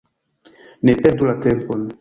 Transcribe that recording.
Ne perdu la tempon!